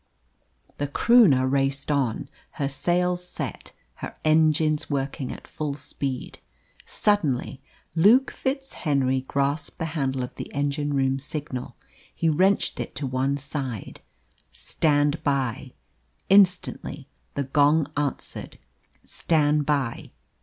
The Croonah raced on, her sails set, her engines working at full speed. Suddenly Luke FitzHenry grasped the handle of the engine room signal. He wrenched it to one side "Stand by." Instantly the gong answered, "Stand by."